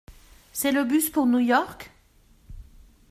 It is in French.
C’est le bus pour New York ?